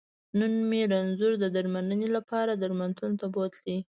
نن مې رنځور د درمنلې لپاره درملتون ته بوتلی